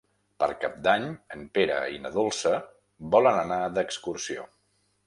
Per Cap d'Any en Pere i na Dolça volen anar d'excursió.